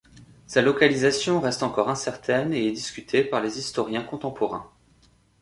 Sa localisation reste encore incertaine et est discutée par les historiens contemporains.